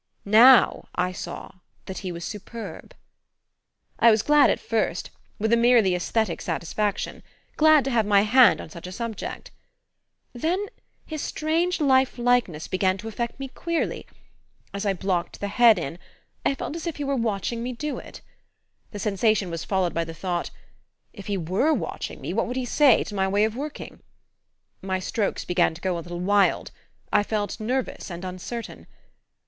Now I saw that he was superb. "I was glad at first, with a merely aesthetic satisfaction: glad to have my hand on such a 'subject.' Then his strange life likeness began to affect me queerly as I blocked the head in I felt as if he were watching me do it. The sensation was followed by the thought: if he WERE watching me, what would he say to my way of working? My strokes began to go a little wild I felt nervous and uncertain.